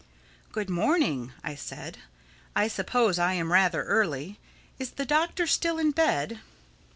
"Good morning," I said. "I suppose I am rather early. Is the Doctor still in bed?"